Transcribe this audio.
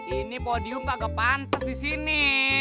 ini podium kagak pantes di sini